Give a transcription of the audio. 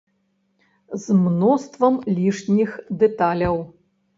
З мноствам лішніх дэталяў.